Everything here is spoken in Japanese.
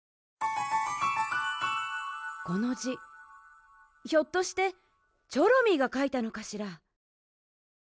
このじひょっとしてチョロミーがかいたのかしら。